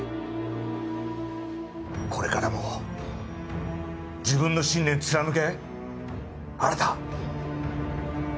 これからも自分の信念貫け新！